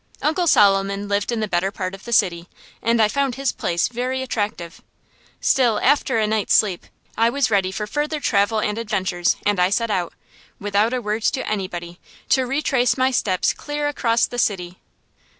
Uncle Solomon lived in the better part of the city, and I found his place very attractive. Still, after a night's sleep, I was ready for further travel and adventures, and I set out, without a word to anybody, to retrace my steps clear across the city.